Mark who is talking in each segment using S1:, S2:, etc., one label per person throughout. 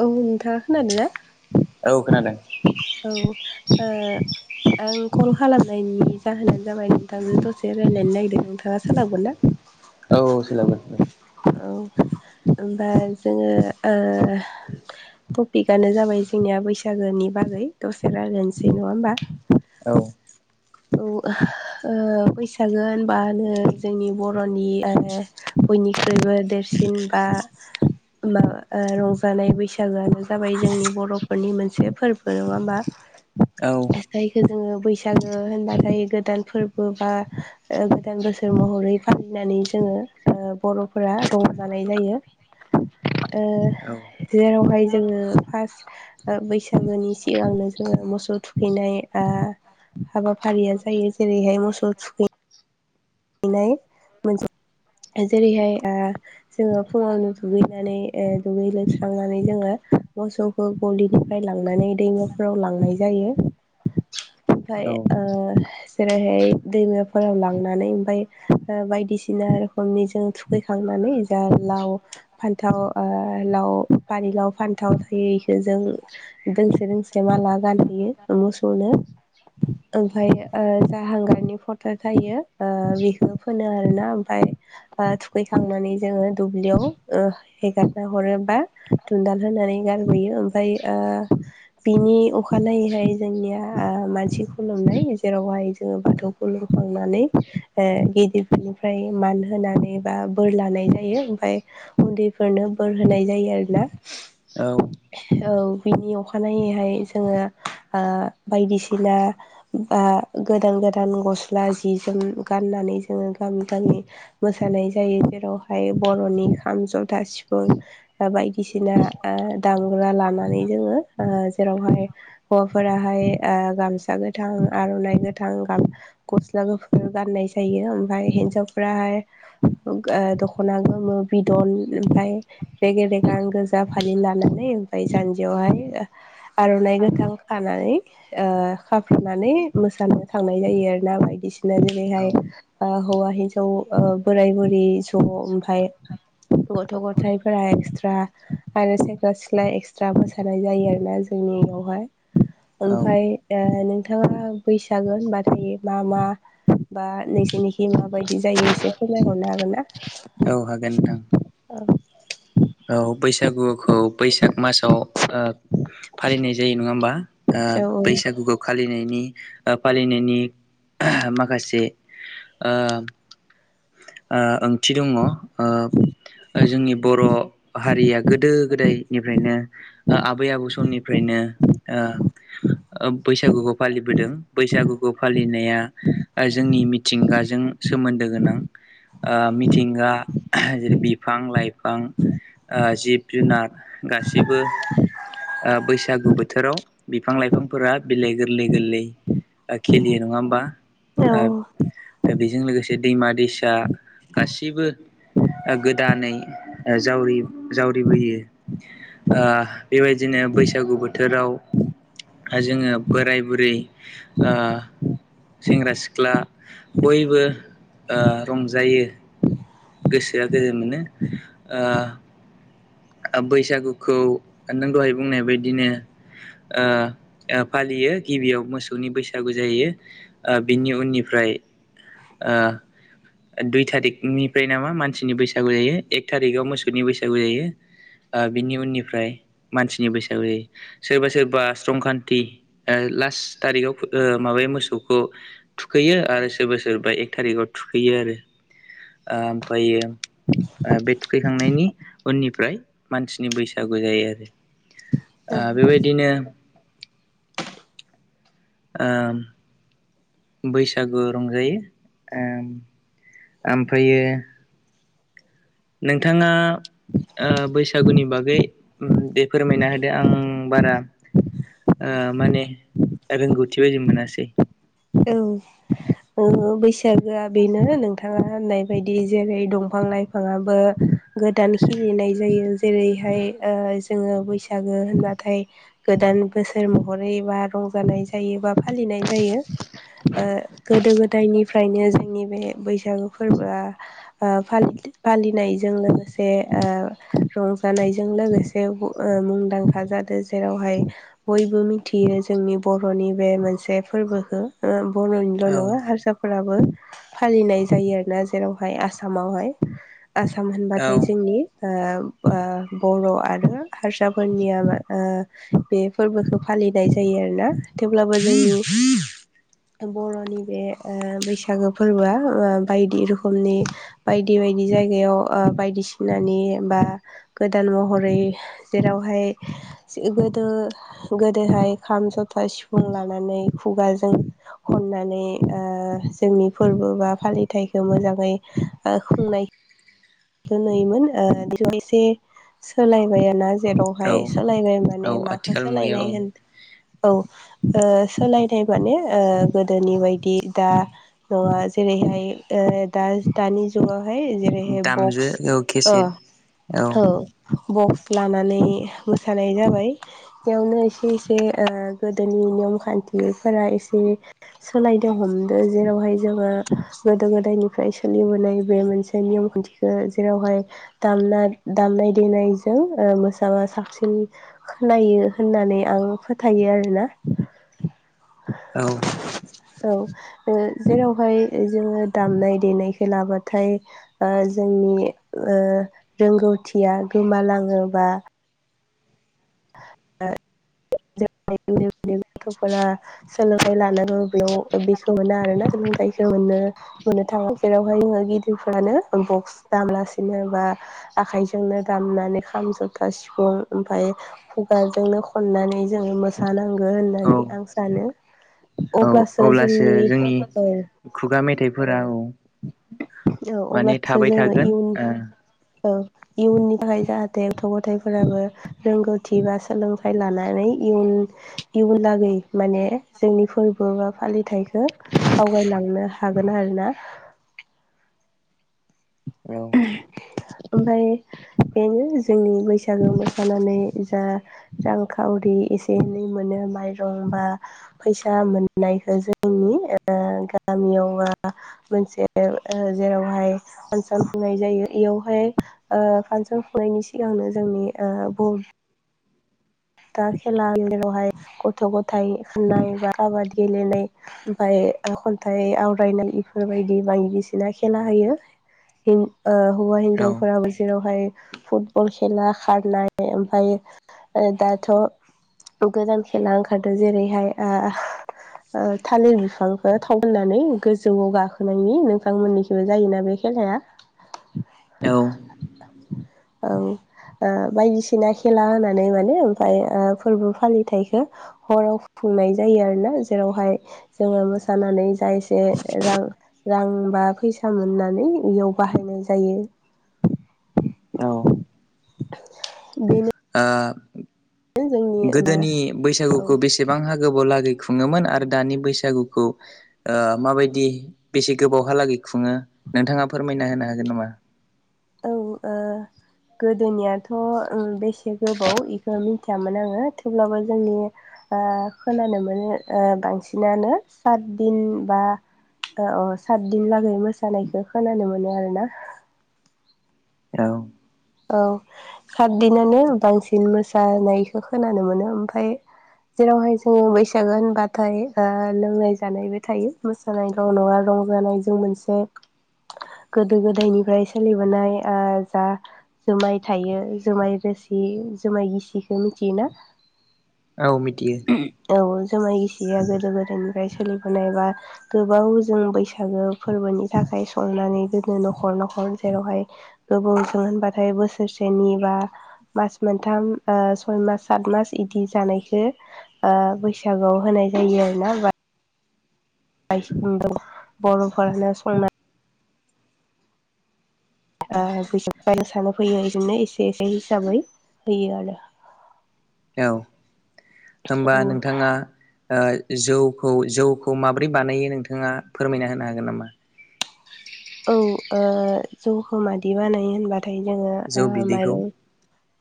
S1: औ नोंथाङा खोनादों ना?
S2: औ खोनादों
S1: औ ओ आं कल खालामनायनि जाहोनानो जाबाय नोंथांजों दसे रायलायनो नागिरदों नोंथाङा सोलाबगोन ना?
S2: औ सोलाबगोन उम।
S1: [inaudible] दा जोङो टपिकआनो जाबाय जोंनिया बैसागोनि बागै दसे रायलायनोसै नङा होमबा।
S2: औ
S1: औ बैसागो होनबानो जोंनि बर'नि आरो बयनिख्रुइबो देरसिन बा आ माबा रंजानाय बैसागोआनो जाबाय जोंनि बर'फोरनि मोनसे फोरबो नङा होमबा।
S2: औ
S1: जायखौ जोङो बैसाग गो होनबाथाय गोदान फोरबो बा गोदान बोसोर महरै फालिनानै जोङो बर'फोरा रंजानाय जायो। जेरावहाय जोङो फार्स्ट बैसागोनि सिगांनो जोङो मोसौ थुखैनाय हाबाफारिया जायो जेरैहाय मोसौ थुखै नाय मोनसे जेरैहाय जोङो फुङावनो दुगैनानै दुगै लोबस्रांनानै जोङो मोसौखौ गलिनिफ्राय लांनानै दैमाफोराव लांनाय जायो। ओमफाय जेरैहाय दैमाफोराव लांनानै ओमफाय बायदिसिना रोखोमनि जों थुखैखांनानै जा लाव फान्थाव लाव फानिलाव फानथाव थायो बेखौ जों दोंसे दोंसे माला गानहोयो। मोसौनो ओमफ्राय जा हांगारनि फथा थायो बेखौ फोनो आरो ना ओमफ्राय थुखैखांनानै जोङो दुब्लियाव हेगार हरोबा दुनन्दाल होनानै गारबोयो ओमफ्राय बिनि अखानायैहाय जोंनिया मानसि खुलुमनाय जेरावहाय जोङो बाथौ खुलुमखांनानै। गिदिरफोरनिफ्राय मान होनानै बा बोर लानाय जायो ओमफ्राय उन्दैफोरनो। बोर होनाय जायो आरोना।
S2: औ
S1: औ बिनि अखानायैहाय जोङो बायदिसिना बा गोदान गोदान गस्ला जि जोम गाननानै जोङो गामि गामि मोसानाय जायो जेरावहाय बर'नि खाम, जथा, सिफुं। सिफुं बायदिसिना दामग्रा लानानै जोङो जेरावहाय हौवाफोराहाय गामसा गोथां, आर'नाइ गोथां, गस्ला गुफुर। गाननाय जायो ओमफ्राय हिन्जावफोराहाय दख'ना गोमो बिदन रेगे-रेगां गोजा फालि लानानै ओमफ्राय जानजियावहाय आर'नाइ। खानानै खाफ्रुनानै मोसानो थांनाय जायो आरो ना बायदिसिना ज ओेरैहाय हौवा हिनजाव बोराय बुरि ज ओमफ्राय। गथ' गथायाइफोरा एक्सट्रा आरो सेंख्रा सिख्ला एक्सट्रा मोसानाय जायो आरो ना। जोंनियावहाय
S2: औ
S1: ओमफ्राय नोंथाङा बैसागोन होनबाथाय मा मा बा न जनिखि माबायदि जायो एसे फोरमायहरनो हागोन ना?
S2: औ हागोन नोंथां।
S1: औ
S2: औ बैसागुखौ बैसाग मासाव ओ फालिनाय जायो नङा होमबा
S1: औ औ
S2: बैसागुखौ खालिनो फालिनायनि माखासे ओंथि दंङ जोंनि बर' हारिया गोदो गोदायनिफ्रायनो आबै आबौ समनिफ्रायनो। बैसागुखौ फालिबोदों बैसागुखौ फालिनाया जोंनि मिथिंगाजों सोमोन्दो गोनां। मिथिंगा जेरै बिफां लाइफां बिफां जिब जुनार गासिबो बैसागु बोथोराव बिफां लाइफांफोरा बिलइ गोरलै गोरलै खलियो नङा होमबा
S1: औ
S2: बेजों लोगोसे दैमा दैसा जा गासिबो गोदानै जावरि जावरिबोयो बेबायदिनो बैसागु बोथोराव जोङो बोराय बुरै सेंग्रा सिख्ला बयबो रंजायो गोसोआ गोजोन मोनो। बैसागुखौ नों दहाय बुंनाय बायदिनो। फालियो गिबियाव मोसौनि बैसागु जायो। बिनि उननिफ्राय दुइ थारिकनिफ्राय नामा मानसिनि बैसागु जायो एक थारिकआव मोसौनि बैसागु जायो।
S1: [inaudible]
S2: बिनि उननिफ्राय मानसिनि बैसोआव सोरबा सोरबा स्ट्रंखान्थि ला फास थारिखाव माबायो मोसौखौ थुखैयो आरो सोरबा सोरबा एक थारिखाव थुखैयो आरो। ओमफ्रायो बे थुखैखांनायनि उननिफ्राय मानसिनि बैसागु जायो आरो।
S1: औ
S2: बेबायदिनो आं बैसागु रंजायो ओमफ्रायो नोंथाङा बैसागुनि बागै दे फोरमायना होदो आं बारा माने रोंगौथि बायदि मोनासै
S1: औ ओ बैसागोआ बेनो नोंथाङा होननाय बायदि जेरै दंफां लाइफाङाबो गोदान खिलिनाय जायो जेरैहाय जोङो बैसागो होनबाथाय गो दान बोसोर महरै बा रंजानाय जायो बा फालिनाय जायो ओ गोदो गोदायनिफ्रायनो जोंनि बे बैसागो फोरबोआ फालि फालिनायजों लोगोसे ओ रंजानायजों लोगोसे मुंदांखा जादों जेरावहाय बयबो मिथियो जोंनि बर'नि बे मोनसे फोरबोखो बर'निल'
S2: औ
S1: नङा हारसाफोराबो फालिनाय जायो आरोना जेरावहाय आसामावहाय आसाम
S2: औ
S1: होनबाथाय जोंनि ओ ओ बर' आरो हारसाफोरनिया मा ओ बे फोरबोखो फालि नाय जायो आरोना थेवब्लाबो जोंनि बर'नि बे ओ बैसागो फोरबोआ ओ बायदि रोखोमनि बायदि बाय यदि जायगायाव आ बायदिसिनानि बा गोदान महरै जेरावहाय जो गोदो गोदोहाय खाम जथा सिफुं लानानै खुगाजों हमनानै ओ जोंनि फोर्बो बा फालिथाइखो मोजाङै ओ खुं नायखो नुयोमोन ओ बेखौ एसे सोलायबाय आ ना जेरावहाय
S2: औ
S1: सोलायबाय
S2: औ
S1: माने माखो
S2: आथिखाल मुगायाव
S1: सोलायनाय
S2: औ
S1: होनख औ ओ सोलायथाइ माने ओ गोदोनि बायदि दा नङा जेरैहाय ओ ओ दा दानि जुगावहाय जेरैहाय
S2: दामजो
S1: बक्स
S2: औ
S1: अ
S2: केसेट
S1: औ बक्स लानानै मोसानाय जाबाय बेयावनो एसे एसे ओ गोदोनि निअम खान्थिफोरा एसे सोलायदों हमदों जेरावहाय जोङो गोदो गोदाय निफ्राय सोलिबोनाय बे मोनसे नियम खान्थि खो जेरावहाय दामना दामनाय देनायजों ओ मोसाबा साबसिन खोनायो होननानै आं फोथायो आरोना
S2: औ
S1: औ ओ जेरावहाय जोङो दामनाय देनाय खोनाबाथाय ओ जोंनि ओ रोंगौथिया गोमालाङोबा ओ [unintelligible] जोंनि उन्दै उन्दै गथ'फोरा सोलोंथाइ लानांगौ बेयाव बेखौ मोना आरोना सोलोंथाइखो मोनो मोननो थाङो जेरावहाय जोङो गिदिरफोरानो बक्स दामलासिनो बा आखायजों नो दामनानै खाम जथा सिफुं ओमफाय खुगाजोंनो खननानै जोङो मोसानांगो
S2: औ
S1: होननानै आं सानो
S2: औ अब्लासो जोंनि
S1: औ
S2: खुगा मेथाइफोराव
S1: औ अब्लासो जोङो इयुन औ इयुननि थाखाय जाहाथे गथ' गथाइफोराबो रोंगौथि बा सोलोंथाइ लानानै इयुन इयुन लागै माने जोंनि फोर्बो बा फालिथाइखो आवगायलांनो हागोन आरोना
S2: ओ
S1: [unintelligible] ओमफाय बेनो जोंनि बैसागो मोसानानै जा रांखावरि एसे एनै मोनो माइरं बा फैसा मोननायखो जों नि ओ गामियाव ओ मोनसे ओ जेरावहाय [unintelligible] [unintelligible] खुंनाय जायो इयावहाय ओ फानसन खुंनायनि सिगांनो जोंनि ओ बे दा खेलानि [unintelligible] रावहाय गथ' गथाइ खाननाय बा काबादि गेलेनाय ओमफाय ओ खन्थाइ आवरायनाय इफोरबायदि बायदिसिना खेला होयो। हिन ओ हौवा
S2: औ
S1: हिन्जावफोराबो जेरावहाय फुटबल खेला खारनाय ओमफाय ओ दाथ' गोदान खेला ओंखारदो जेरैहाय आ ओ थालिर बिफांखो थाव फोनानै गोजौआव गाखोनायनि नोंथांमोननिखिबो जायोना बे खेलाया
S2: औ
S1: औ ओ बायदिसिना खेला होनानै माने फाय ओ फोरबो फालिथाइखो हराव खुंनाय जायो आरो ना जेरावहाय जोङो मो सानानै जा एसे रां रां बा फैसा मोननानै इयाव बाहायनाय जायो। [inaudible]
S2: औ
S1: बिनो
S2: ओ गोदोनि
S1: औ
S2: बैसागुखौ बेसेबां हागो गोबाव लागै खुङोमोन आरो दानि बैसागुखौ आ माबायदि बेसे गोबावहालागै खुङो? नोंथाङा फोरमायना होनो हागोन नामा?
S1: औ ओ गोदोनियाथ' उम बेसे गोबाव इखो मिथियामोन आङो थेवब्लाबो जोंनि आ खोनानो मोनो आ बांसिनानो सात दिन बा अ ओ सातदिन लागै मोसानायखो खोनानो मोनो आरोना
S2: औ
S1: औ सातदिनानो बांसिन मोसानायखो खोनानो मोनो ओमफाय जेरावहाय जोङो बैसागो होनबाथाय ओ लोंनाय जानायबो थायो मोसानायल' नङाल' जानायजों मोनसे गोदो गोदायनिफ्राय सोलिबोनाय ओ जा जुमाय थायो जुमाय रोसि जुमाय गिसिखौ मिथियोना
S2: औ मिथियो
S1: औ जुमाय गिसिया गोदो गोदायनिफ्राय सोलिबोनाय बा गोबाव जों बैसागो फोरबोनि थाखाय खाय सननानै दोनो न'खर न'खर जेरावहाय गोबावजों होनबा ओमफ्राय बोसोरसेनि बा मास मोनथाम सय मास सात मास बिदि जानायखौ ओ बैसागोआव होनाय जायो आरोना बायस औ बर'फोरानो संनाय ओ जोबनाय मोसानो फैयो बिजोंनो एसे एसे हिसाबै होयो आरो
S2: औ होनबा
S1: औ
S2: नोंथाङा ओ जौखौ जौखौ माब्रै बानायो नोंथाङा फोरमायना होनो हागोन नामा
S1: औ ओ जौखौ मादि बानायो होनबाथाय जोङो
S2: जौ बिदैखौ
S1: माइरं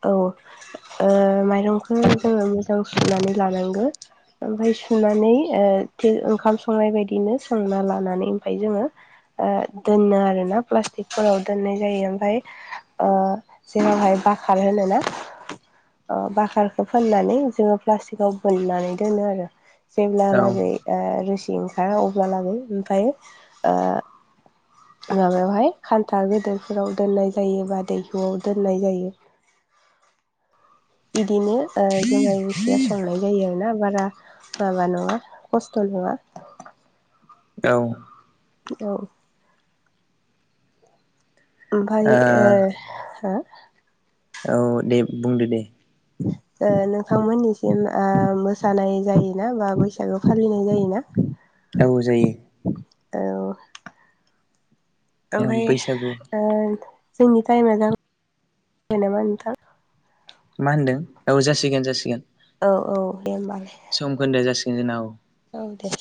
S1: औ ओ माइरंखौ जोङो मोजां सुनानै लानांगौ ओमफ्राय सुनानै ओंखाम संनाय बायदिनो संना लानानै ओमफ्राय जोङो ओ दोनो आरोना प्लास्टिकफोराव दोननाय जायो ओमफ्राय ओ जेरावहाय बाखार होनो ना बाखारखौ फाननानै जोङो प्लास्टिक आव बोननानै दोनो आरो
S2: औ
S1: जेब्लालागै ओ रोसि ओंखारा अब्ला लागै ओमफ्राय ओ माबायावहाय खान्थाल गेदेरफोराव दोननाय जायो बा दैहुआव दोननाय जायो [inaudible] बिदिनो ओ जों रुसिया संनाय जायो आरोना बारा माबा नङा खस्थ' नङा
S2: औ
S1: औ ओमफ्राय ओ हो
S2: औ दे बुंदो दे
S1: ओ नोंथांमोननिसिम मोसानाय जायोना बा बैसागो फालिनाय जायोना ना
S2: औ जायो
S1: औ ओमफ्राय
S2: बैसागु
S1: ओ जोंनि टाइम जा जाबाय नामा नोंथां
S2: मा होनदों औ जासिगोन जासिगोन
S1: औ औ दे होमबालाय
S2: दिनाव
S1: औ दे